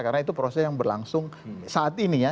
karena itu proses yang berlangsung saat ini ya